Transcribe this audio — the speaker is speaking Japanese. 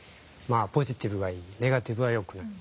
ポジティブがいいネガティブはよくない。